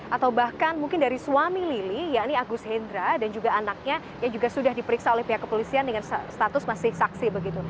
atau bahkan mungkin dari suami lili yakni agus hendra dan juga anaknya yang juga sudah diperiksa oleh pihak kepolisian dengan status masih saksi begitu